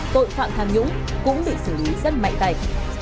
tội phạm tham nhũng cũng bị xử lý rất mạnh tay